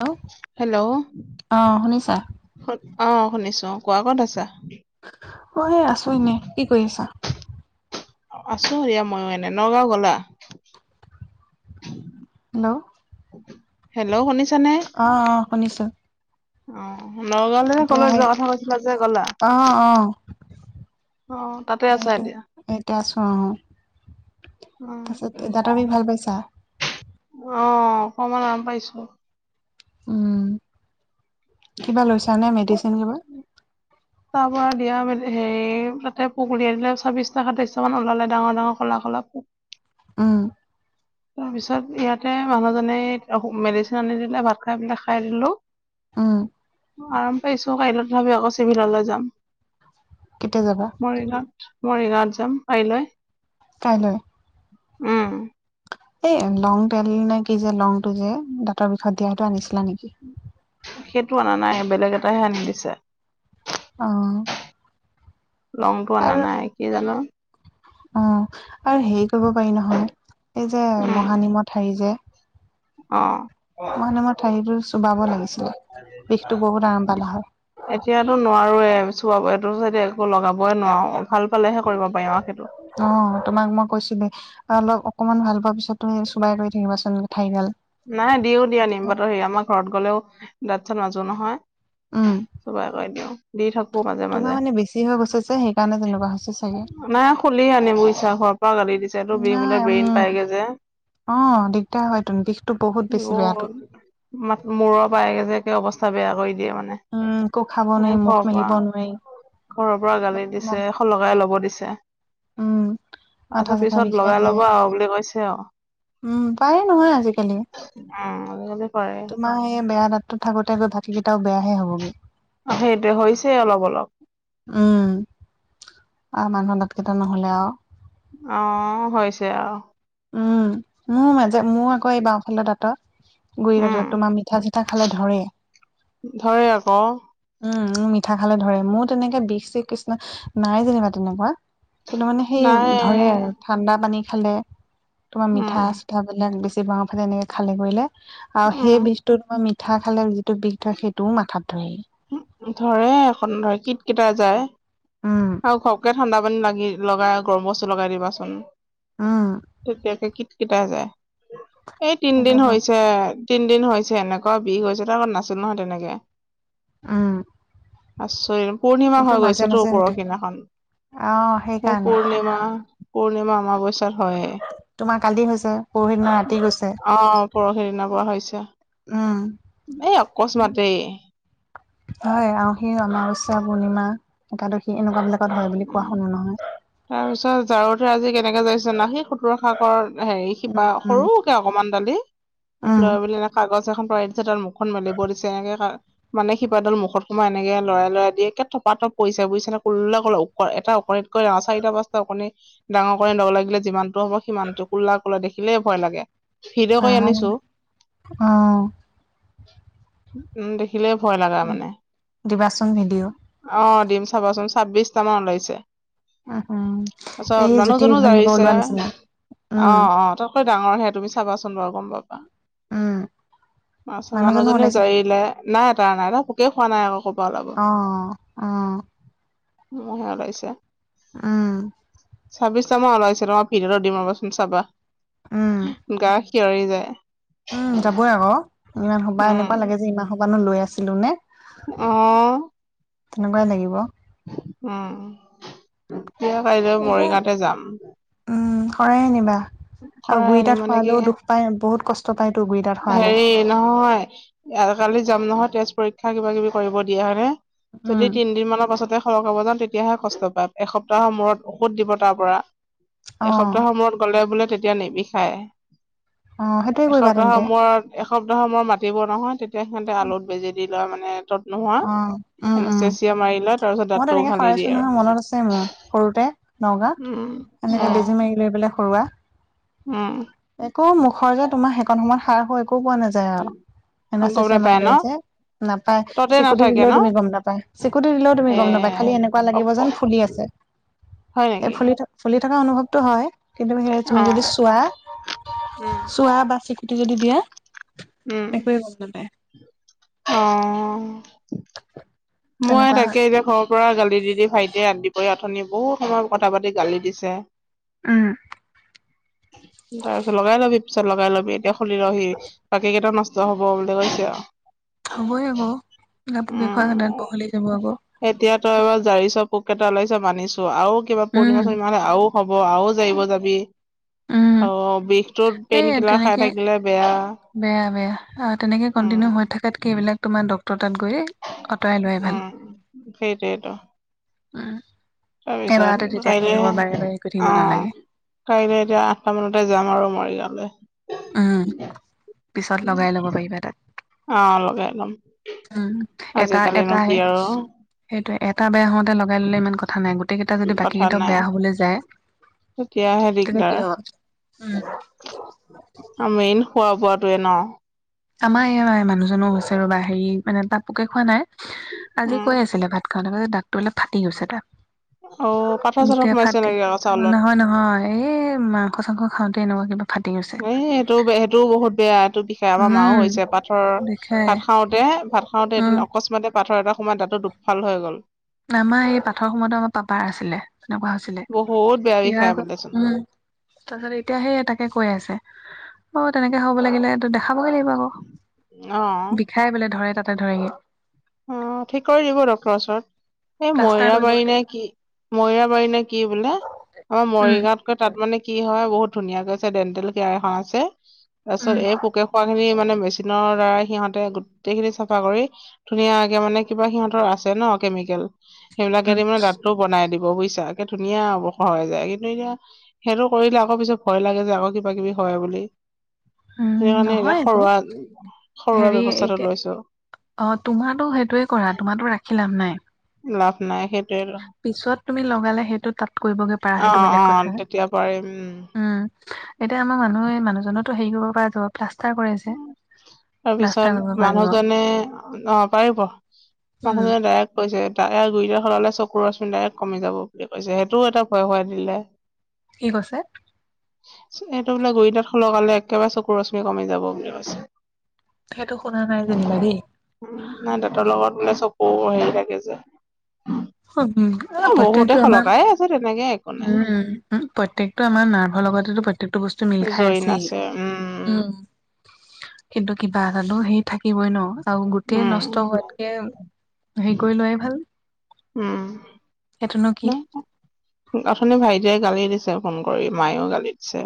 Hello hello অ শুনিছা অ' শুনিছো কোৱা ক'ত আছা? অ' এই আছো এনে কি কৰি আছা? আছো দিয়া ময়ো এনে নগাঁও গ'লা? হেল্ল'। হেল্ল'। শুনিছো অ' অ' শুনিছো। নগাওঁলৈ নে এতিয়া কলৈ সেই যোৱা কথা কৈছিলা যে গ'লা। অ অ অ' তাতে আছা সেইটো এতিয়া। এতিয়া আছো অ' অ তাৰপিছত দাঁত বিষ আমি ভাল পাইছা। অ' অকণমান আৰম পাইছো। উম, কিবা লৈছা নে মেডিচিন কিবা। তাৰ পৰা দিয়া হেৰি তাতে পোক ওলিয়াই দিলে ছাব্বিছটা সাতাইছটা মান ওলালে ডাঙৰ ডাঙৰ ক'লা। ক'লা পোক। উম। তাৰপিছত ইয়াতে মানুহজনে মেডিচিন আনি দিলে ভাত খাই পিলাক খাই দিলো। উম। আৰাম পাইছো কাইলৈত তথাপিও আকৌ চিভিললৈ যাম কেতিয়া যাবা মৰিগাঁওত। মৰিগাওঁত যাম কাইলৈ। কাইলৈ উম। এই লং তেল নে কি যে লংটো যে দাঁতৰ বিষত দিয়াটো আনিছিলা নেকি? সেইটো অনা নাই বেলেগ এটা হে আনি দিছে। উমহ। লং টো আনা নাই কি জানো। অ' আৰু হেৰি কৰিব পাৰি নহয়, এই যে উম মহানিমৰ থাৰি যে। অ' মানে মই থাৰিটো চোবাব লাগিছিলে বিষটো বহুত আৰাম পালো হয়। এতিয়াতো নোৱাৰোৱয়ে চোৱা এইটো চ একো লগাবই নোৱাৰো। ভাল পালেহে কৰিব পাৰিম আৰু সেইটো অ' তোমাক মই কৈছিলো অলপ অকণমান ভাল পোৱা পিছত তুমি চোবাই কৰি থাকিবাচোন থাৰি গাল। নাই দিওঁ দিয়া নিম পাতৰ আমাৰ ঘৰত গলেও দাতঁ তাত মাজো নহয়। উম চোবাই কৈ দিওঁ দি থাকো। মাজে তোমাৰ মাজে মানে বেছি হৈ গৈছে যে সেইকাৰণে তেনেকুৱা হৈছে চাগে নাই খোলি আনিব বুইচ্ছা ঘৰৰ পৰা গালি দিছেটো বিহ নাই মলে ব্ৰেইন উম পাইগে যে। অ' দিগদাৰ হয় তোৰ বিষ। অ' মূৰৰ পায়গৈ যে কে অৱস্থা বেয়া কৰি দিয়ে মানে। উম, একো খাব নোৱাৰি ঘৰৰ মুখ পৰা মেলিব নোৱাৰি। ঘৰৰ পৰা গালি দিছে শলকাই ল'ব দিছে। উম মাথা তাৰপিছত চাথা পিছত বিষাই লগা যায় লগ আৰু বুলি কৈছে আৰু। উম পায় নহয় আজিকালি, উম আজিকালি কৰে তোমাৰ এই বেয়া দাঁত টো। থাকোতে গৈ দাত কেইটাও বেয়াহে হবগে। সেইটোৱে হৈছে অলপ অলপ উম আও মানুহৰ দাতকেইটা নহলে আৰু। অ' হৈছে আৰু। উম মোৰ মাজে মোৰো আকৌ এই বাওঁফালৰ দাঁতৰ। গুৰি উম দাঁতত তোমাৰ মিঠা চিঠা খালে ধৰে, ধৰে আকৌ উম। উম, মিঠা খালে ধৰে মোৰ তেনেকে বিষ চিষ কৃষ্ণ নাই যেনিবা তেনেকুৱা। কিন্তু মানে সেই নাই ধৰে আৰু ঠাণ্ডা পানী খালে। তোমাৰ উম মিঠা চিঠা বিলাক বেছি বাওৰ ফালে এনেকে খালে কৰিলে আৰু উম সেই বিষটো তোমাৰ মিঠ মিঠা খালে যিটো বিষ ধয় সেইটোও মাথাত ধৰে। উ ধৰে একন ধৰে কিট কটায় যায় উম আৰু ঘকে ঘটে। ঠাণ্ডা পানী লাগি লগাই গৰম বস্তু লগাই দিবাচোন উম তেতিয়াকে কিট কটায়। কিতা যায় এই তিনদিন সেইটোৱেতো হৈছে আৰু। তিনিদিন হৈছে এনেকুৱা বিষ হৈছে নহয় তাৰ নাছিল নহয় তেনেকে। উম। আছো। পূৰ্ণিমা এইটো হৈ মাজে গৈছেতো মাজে হৈ পৰহিনা থাকে দিনাখন অ সেই সেইকাৰণে পূৰ্ণিমা। পূৰ্ণিমা অমাৱস্যা। হৈয়ে তোমাৰ কালি হৈছে পৰহিদিনা ৰাতি গৈছে অ' পৰহি দিনা পৰা হৈছে। উম এই অকস্মাতেই। হয় আউসি অমাৱস্যা পূৰ্ণিমা একাদশী এনেকুৱা বিলাক। উম তাৰ পিছত জাৰতে আজি কেনেকে যাইছে না সেই সোতৰা সাগৰ হেৰি শিপা উম সৰুকে অকনমান দালি উম লৈ পেলাই এনে কাগজ এখন পৰাই দিছে দাল মুখ খন মেলিব দিছে এনকে কা মানে শিপা ডাল মুখত সোমাই এনেক লৰাই লৰাই দিয়ে একে থপাথপ পৰিছে বুইছানে কোলা ক'ল এটা ওকনিতকৈ ডাঙৰ চাৰিটা পাঁচটা ওকণি ডাঙৰ কৰি লগ লাগিলে যিমান টো হ'ব সিমানটো, কোল কোলা দেখিলেইে ভয় লাগে। ভিডিঅ' কৰি কাণ আনিছো ওম উম দেখিলে ভয় লগা মানে। দিবাচোন ভিডিঅ' অঁ দিম চাবাচোন ছাব্বিশটা মান ওলাইছে। উম উম পাছত এই মানুহ জুতি জনো ঘৈণীয়েক জাৰিছে। ওলোৱা নিচিনা উম অঁ অঁ ত গাঁৱৰহে তুমি চাবা চো ৰু গ'ম পাবা উম তাছত মানুহ মানুহজনো জনীও ওলাইছে নেকি জাৰিলে নাই তাৰ নাই নহয় পোকে খোৱা নাই আক অঁ অঁ ম'হে ওলাইছে। উম। ছাব্বিশটা মান ওলাইছে তোমাক ভিদিঅ'টো দিম ৰ'বা চোন চাবা উম গা শিয়ৰি যায়। উম যাবই আক ইমান সোপাহ এনেকুৱা লাগে যে ইমান সোপানো লৈ আছিলো নে? অঁ তেনেকুৱাই লাগিব। উম। কিয় কাইলৈ এতিয়া মৰিগাওঁতে যাম। উম শৰাই নিবা? শৰাই আনিম মানে কি, বহুত কষ্ট পায়তো গুৰি দাঁত খোৱালে হেৰি নহয় কালি যাম নহয় তেজ পৰীক্ষা কিবা কিবি কৰিব দিয়া হায়নে উম যদি তিন দিন মানৰ পাছত তে সলকাব যাওঁ তেতিয়াহে কষ্ট পায় এসপ্তাহৰ মূৰত ঔষধ দিব তাৰ পৰা। অ এসপ্তাহৰ মূৰত গ'লে বোলে তেতিয়া নিবিষায়। অ সেইটোৱে কৰিবা এসপ্তাহৰ তেন্তে মূৰত এস এসপ্তাহ মই মাতিব নহয় তেতিয়া সিহঁতে আলুত বেজি দি লয় মানে তত নোহোৱা অ, উম, উম। এনেচেচিয়া মাৰি লয় তাৰ পিছত মই দাঁতটো তেনেকে উঘালি দিয়ে সৰাইছো আৰু নহয় মনত আছে মোৰ সৰুতে, নগাঁও, উম এনেকে বেজি মাৰি লৈ পেলাই সৰুৱা উম একো মুখৰ যে তোমাৰ সেইখন সময়ত সাৰ হ একো পোৱা নাযায় আৰু। উম গম এনেছিছে মাই নাপায় ন লৈ যে। নাপায় ততে চিকুতি নাথাকে দিলেও ন তুমি গম নাপায়, চিকুতি দিলেও তুমি এ গম নাপায়, খালি এনেকুৱা অ লাগিব যেন ফুলি আছে। হয় সেই নেকি ফুলি থ ফুলি থকা অনুভৱটো হয় কিন্তু সেই অ তুমি যদি চোৱা উম চোৱা বা চিকুটি যদি দিয়া, উম একোৱেই গম নাপাই। অ'। মই তেনেকুৱা হয় তাকে এতিয়া ঘৰৰ পৰা গালি দি দি ভাইটিয়ে আন পৰিয়া আথনি বহুত সময়ত কথা পাতি গালি দিছে। উম। তাৰ পিছত লগাই লবি, পিছত লগাই লবি, এতিয়া খুলিলহি বাকী কেইটা নষ্ট হ'ব বুলি কৈছে আৰু। হ'বই আকৌ গাপকে উম খোৱাক এতিয়া তই এবাৰ জাৰি পোক এটা ওলাইছে মানিছো আৰু কিবা উম পূৰ্ণিমা-চূৰ্ণমা আৰু হব আৰু যাবিব যাবি। উম অ', বিষটোত পেইন কিলাৰ খাই থাকিলে বেয়া। বেয়া-বেয়া তেনেকে উম কণ্টিনিউ হৈ থাকাতকে এইবিলাক তোমাৰ ডকট ত গৈ আঁতৰাই লোৱাই ভাল, উম সেইটোৱেইটো উ তাৰপিছত কাইলে কৰি থাকিব অ, নালাগে। কাইলে এতিয়া আঠটা মানতে যাম আৰু মৰিগাওঁলে। উম, পিছত লগাই ল'ব পাৰিবা তাত। অ, লগাইলম। উম, এটা-এটাহে, সেইটোয়ে টা বেয়া হওঁতে লগাই ললে ইমান কথা নাই, গোটেইকেইটা যদি কথা বাকীকেইটাক নাই বেয়া হ'বলৈ যায় তেতিয়াহে এনে কি দিগদাৰ হ, উম। মেইন খোৱা-বোৱাটোৱে ন। আমাৰ এয়া নাই মানুহজনো হৈছে ৰবা হেৰি মানে তাত পোকে খোৱা নাই, আজি উম কৈ আছিলে ভাত [unintelligible] দাগটো অলপ ফাটি গৈছে তাক। অ পাথৰ চাথৰ এতিয়া সোমাইছে ফাটি, নেকি আকৌ চাউলত নহয়-নহয় এই মাংস-চাংস খাওঁ [inaudible] এ সেইটোও, সেইটোও বহুত বেয়া। বিষায় আমাৰ মাও উম হৈছে পাথৰ, বিষাই ভাত খাওঁতে, ভাত খাওঁতে উম এদিন অকস্মাতে পাথৰ এটা সোমাই দাততো দুপফাল হৈ গ'ল। আমাৰ এই পাথৰ সময়তে আমাৰ পাপাৰ আছিলে। তেনেকুৱা হৈছিলে, বহুত বেয়া বিষাই [unintelligible] বোলেচোন উম। তাৰপিছত এতিয়াহে তাকে কৈ আছে। অ' তেনেকে হ'ব লাগিলে এইটো দেখাবগে লাগিব আকৌ, অ বিষাই বোলে ধৰে তাত ধৰেগে অ', ঠিক কৰি দিব ডক্টৰৰ ওচৰত। এই প্লাষ্টাৰ কৰিব ময়ৰাবাৰী এইটো নে কি, ময়ৰাবাৰী নে কি বোলে। অ উম মৰিগাঁৱতকৈ তাত মানে কি হয় বহুত ধুনীয়াকৈ আছে ডেণ্টেল কেয়াৰ এখন আছে, তাৰ উম পিছত এই পোকে খোৱা খিনি মানে মেচিনৰ সিহঁতে গোটেইখিনি চাফা কৰি ধুনীয়াকে মানে কিবা সিহঁতৰ আছে ন কেমিকেল। উম সেইবিলাকেদি মানে দাঁতটো বনাই দিব বুজিছা একে ধুনীয়া অৱসৰ হৈ যায়, কিন্তু এতিয়া সেইটো কৰিলে আকৌ পিছত ভয় লাগে যে আকৌ কিবা-কিবি হয় বুলি উম সেইকাৰণে এতিয়া নহয় আকৌ সৰোৱা-সৰোৱা ব্যৱস্থাটো লৈছো। তোমাৰটো সেইটোৱে কৰা, তোমাৰটো ৰাখি লাভ নাই। লাভ নাই সেইটোৱে পিছত তুমি লগালে সেইটো তাত কৰিবগে পাৰা অ সেইটো অ বেলেগ কথা। তেতিয়া পাৰিম উম, এতিয়া আমাৰ মানুহে মানুহজনো হেৰি কৰিব পৰা যাব প্লাষ্টাৰ কৰি আছে। তাৰপিছত মানুহজনে অ', পাৰিব উম মানুহজনে ডাইৰেক্ট কৈছে। তাৰে গুৰিটা সলালে চকুৰ ৰশ্মি ডাইৰেক্ট কমি যাব বুলি কৈছে সেইটোও এটা ভয় খোৱাই দিলে। কি কৈছে? সেটো বোলে গুৰি তাত স লগালে একেবাৰে চকুৰ ৰশ্মি কমি যাব বুলি কৈছে। সেইটো শুনা নাই যেনিবা দেই নাই দাঁতৰ লগত বোলে চকো হেৰি থাকে যে। এ বহুতে প্ৰত্যেকটো আমাৰ সলকাই আছে তেনেকে একো নাই। উম, উ প্ৰত্যেকটো আমাৰ নাৰ্ভৰ লগতেটো প্ৰত্যেকটো বস মিল খাই জইন আছেই, আছে উম, কিন্তু কিবা এটালো সেই থাকিবই ন আৰু গোটেই উম, নষ্ট হোৱাতকে হেৰি কৰি লোৱাই ভাল। উম। সেইটোনো কি? আথনি ভাইটিয়ে গালি দিছে ফোন কৰি মায়েও গালি দিছে।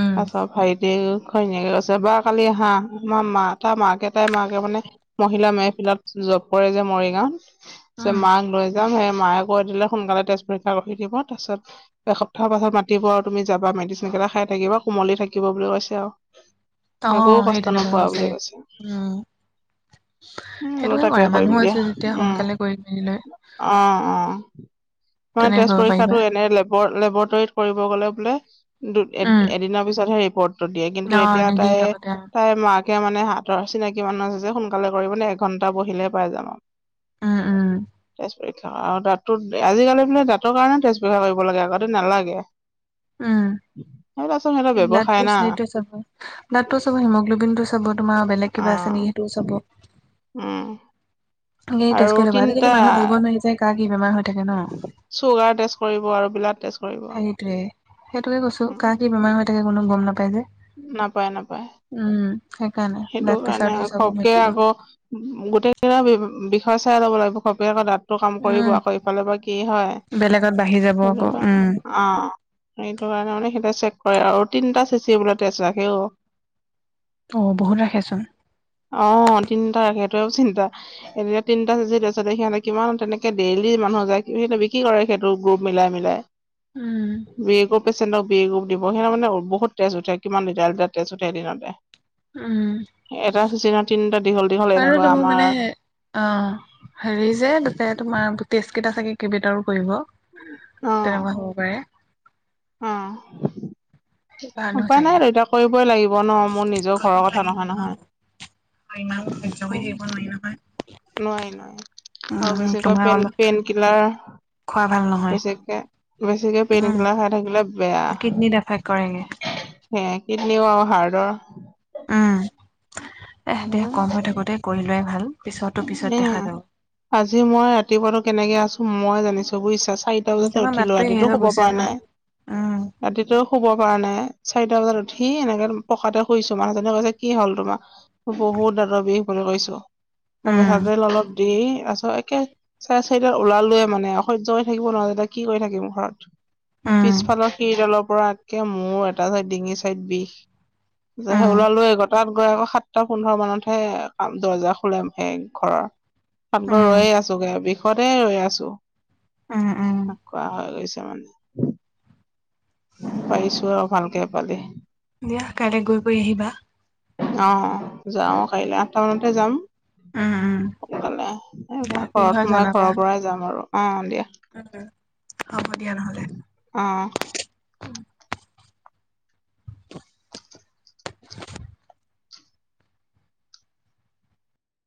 উম, পাছত ভাইটিউ ঘৈনীয়েকে গৈছে বা কালি আহা আমাৰ মা তাৰ মাকে তাই মাকে মানে মহিলা মেহফিলত জব কৰে যে মৰিগাঁও উম, মাক লৈ যাম সেই মায়াক [unintelligible] সোনকালে তেজ পৰীক্ষা কৰি দিব তাৰ পাছত এসপ্তাহৰ পাছত মাতিব আৰু তুমি যাবা মেডিচিন কেইটা খাই থাকিব কুমলি থাকিব বুলি কৈছে আৰু। একো অ' সেই কষ্ট তেনেকুৱা নকৰা হ'ব বুলি চাগে। কৈছে। উম, উম, সেইটোকে তাকে কৰা কৰিম মানুহ দিয়া আছে যেতিয়া উম, সোনকালে কৰি মেলি লৈ অ', অ', নহয় তেনেকে তেজ কৰিব পাৰিবা। পৰীক্ষটো এনে লেব- লেবৰেটৰীত কৰিব গলে বোলে দু উম, এ-এদিনৰ পিছতহে ৰিপৰ্টটো দিয়ে কিন্তু অ' এতিয়া নিদিয়ে তায়ে লগতে অ', তাইৰ মাক কে মানে হাতৰ চিনাকি মানুহ আছে যে সোনকালে কৰিবহলে নে' এঘন্টা বহিলে পাই যাম আৰু। উম-উম তে পৰীক্ষা দাঁতো আজিকালি বোলে দাঁতৰ কাৰণে তেজ পৰীক্ষা কৰিব লাগে আগতে নালাগে। [unintelligible] সেইবিলাক ব্যৱসায় টো না সেইটোে চাব ব্লাডটো তেওঁ চাব হিমগ্ল'বিন টো চাব। তোমাৰ বেলেগ অ কিবা আছে নেকি সেইটোও চাব উম [unintelligible] তেজ আৰু কৰি লবা আজিকলি তিনটা কিন্ত মুহ ধৰিব নোৱাৰি যায় কাক চুগাৰ টেষ্ট কৰিব আৰু এইবিলাক টেষ্ট কৰিব সেইটোয়ে সেইটোকে কৈছো কা কি বেমাৰ হৈ থাকে কোনো গম নাপাই যে। নাপায়-নাপায়। উম সেইকাৰণে সেইটো ব্লাড কাৰণে প্ৰেচাৰটো চাব ঘবকে মেলিব আকৌ গোটেই কেইটা বিষয় চাই লব লাগিব ঘপকে আকৌ দাঁতটো কাম কৰিব উম আকৌ ইফালে বা কি হয়। বেলেগত বাঢ়ি যাব সেইটো আকৌ উম কাৰণে অহ সেইটো কাৰণে মানে সেইটা চেক কৰে অ, তিনিটা চিচি বোলে তেজ ৰাখে অ',। অ, বহুত ৰাখেচোন। অ', তিনটা ৰাখে সেটোও চিন্তা এতিয়া তিনিটা চিচিত সিহঁতে কিমান তেনেকে ডেইলি মানুহ যায় কি বুলি কয় সেইটো বিক্ৰী কৰে সেইটো গ্ৰুপ উম মিলাই-মিলাই বি গো পেচেণ্টক বি গ্ৰো [unintelligible] মানে বহুত তেজ উঠে, কিমান লিটাৰ লিটাৰ তেজ উঠে এদিনতে। উম এটা চিজনত তিনিটা দীঘল দীঘল আৰু এনেকুৱা তোমাৰ মানে আমাৰ অহ। হেৰি যে দুটাই তোমাৰ টেষ্ট কেইটা চাগে কেইবটাও কৰিব, তেনেকুৱা হ'ব পাৰে। অঁহ। সেইকাৰণে উপায় নাই চাগে আৰু এতিয়া কৰিবই লাগিব ন, মোৰ নিজৰ কৰিব ঘৰৰ কথা নহয় নালাগিবই নহয়। অ ইমান সহ্য কৰি নাই, থাকিব নোৱাৰি নহয় [unintelligible] নোৱাৰি নোৱাৰি। আৰু উম বেছিকৈ তোমাৰ পেইন অলপ পেইন কিলাৰ খোৱা ভাল নহয় বেছিকে বেছিকে পেইন উম কিলাৰ খায় থাকিলে বেয়া। কিডনীত এফেক্ট কৰেগে হে কিডনীও আৰু হাৰ্টৰ উম দে দেহ কম হৈ থাকোতে কৰি লোৱাই ভাল। পিছতো পিছত দেখা উম, যাব আজি মই ৰাতিপুৱাটো কেনেকে আছো মই জানিছো বুইছে। চাৰিটা উম বজাতে তোমাৰ উঠিলো, মাতটোৱে হেৰি ৰাতিতো হৈ শুব গৈছে পৰা নহয় নাই। উম ৰাতিটো শুবৰ পৰা নাই চাৰিটা বজাত উঠি এনেকে পকাতে শুইছো, মানুহজনে কৈছে কি হ'ল তোমাৰ? বহুত দাদৰ বিষ বুলি কৈছো। উম মিঠাতেল অলপ দি আছোঁ, একে চাৰে চাৰিতাত ওলালোৱে মানে, সহ্য কৰি থাকিব নোৱাৰো, তেতিয়া কি কৰি থাকিম ঘৰত। উম পিছফালৰ শিৰডালৰ পৰা একে মূৰৰ এটা চাইড ডিঙি চাইড বিষ। যেহে উম ওলালোৱে আক তাত গৈ আকৌ সাতটা পোন্ধৰ মানতহে কাম দৰ্জা খোলে। সেই ঘৰৰ, তাত গৈ উম ৰৈয়েই আছোগে, বিষতে ৰৈ আছো। উম উম কোৱা হৈ গৈছে মানে। পাৰিছো। আৰু ভালকে এপালি দিয়া কাইলে গৈ কৰি আহিবা। অ যাও কাইলৈ, আঠটা মানতে যাম। উম উম সোনকালে এই দিয়া কি ঘৰত হয় সোমাই জনাবা ঘৰৰ পৰাই যাম আৰু অ দিয়া। উম, হ'ব দিয়া নহ'লে। অ উম।